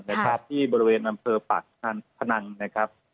นะครับที่บริเวณอำเภอปากพนังนะครับ